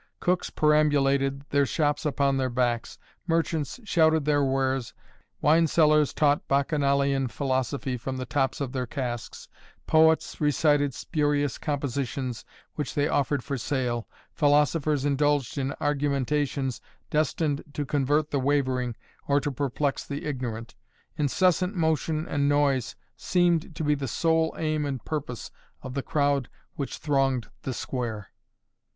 Cooks perambulated, their shops upon their backs, merchants shouted their wares, wine sellers taught Bacchanalian philosophy from the tops of their casks; poets recited spurious compositions which they offered for sale; philosophers indulged in argumentations destined to convert the wavering, or to perplex the ignorant. Incessant motion and noise seemed to be the sole aim and purpose of the crowd which thronged the square.